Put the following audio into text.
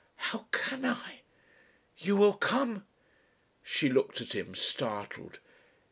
"How can I?" "You will come?" She looked at him, startled.